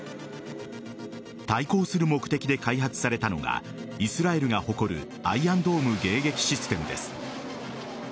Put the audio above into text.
対抗する目的で開発されたのがイスラエルが誇るアイアンドーム迎撃システムです。